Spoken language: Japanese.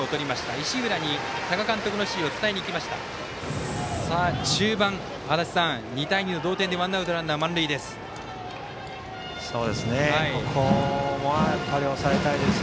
足達さん、中盤２対２の同点でワンアウトランナー満塁です。